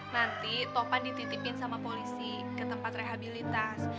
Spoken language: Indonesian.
nanti topan dititipin sama polisi ke tempat rehabilitas